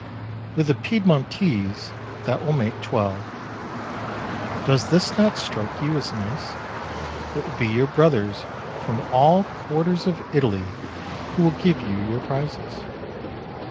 With the Piedmontese that will make twelve. Does not this strike you as nice? It will be your brothers "from all quarters of Italy who will give you your prizes.